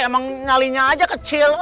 emang nyalinya aja kecil